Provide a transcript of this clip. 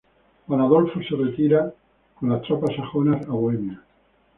Juan Adolfo se retiró con las tropas sajonas a Bohemia.